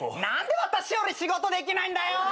何で私より仕事できないんだよ！